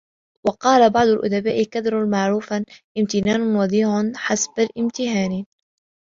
وَقَالَ بَعْضُ الْأُدَبَاءِ كَدَّرَ مَعْرُوفًا امْتِنَانٌ وَضَيَّعَ حَسَبًا امْتِهَانٌ